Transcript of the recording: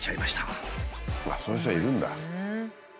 そういう人がいるんだ。